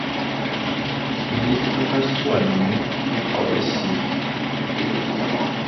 Mis me nga suane nye Nkok-Esil.